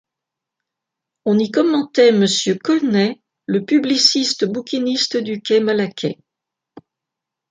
On y commentait Monsieur Colnet, le publiciste bouquiniste du quai Malaquais.